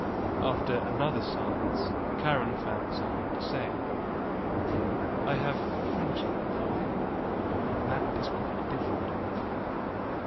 After another silence Karen found something to say. "I have friendship for him. That is quite different."